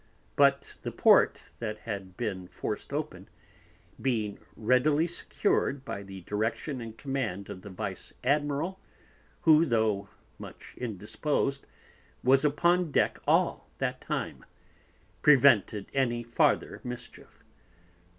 But the Port, that had been forced open, being readily secured by the Direction and Command of the Vice Admiral, who, though much indisposed, was upon Deck all that time, prevented any farther Mischief.